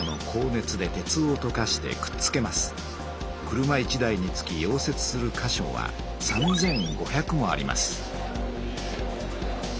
車１台につき溶接するか所は３，５００もあります。